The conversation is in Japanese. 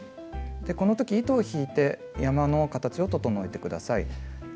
この時糸を引いて山の形を整えて下さい。